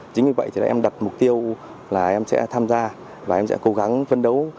chính vì vậy thì em đặt mục tiêu là em sẽ tham gia và em sẽ cố gắng phân đấu